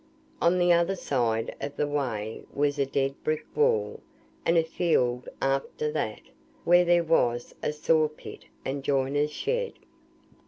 On the other side of the way was a dead brick wall; and a field after that, where there was a sawpit, and joiner's shed.